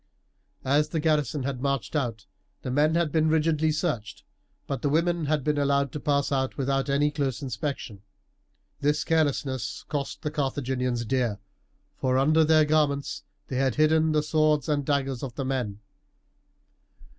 As the garrison had marched out the men had been rigidly searched; but the women had been allowed to pass out without any close inspection. This carelessness cost the Carthaginians dear, for under their garments they had hidden the swords and daggers of the men.